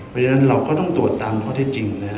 เพราะฉะนั้นเราก็ต้องตรวจตามข้อเท็จจริงนะฮะ